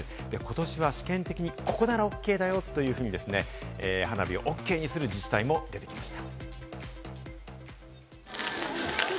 今年は試験的に、ここならＯＫだよというふうに花火をＯＫにする自治体も出てきました。